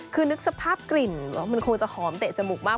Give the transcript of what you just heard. คือนึกสภาพกลิ่นมันคงจะหอมเตะจมูกมาก